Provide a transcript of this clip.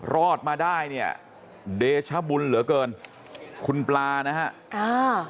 รอดมาได้เนี่ยเดชบุญเหลือเกินคุณปลานะฮะอ่า